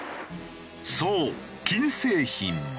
そう金製品。